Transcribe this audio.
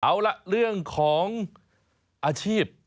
เอาล่ะเรื่องของอาชีพ